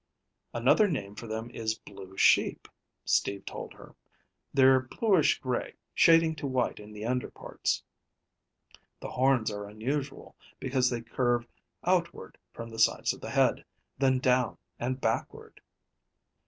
"Another name for them is blue sheep," Steve told her. "They're bluish gray, shading to white in the under parts. The horns are unusual, because they curve outward from the sides of the head, then down and backward."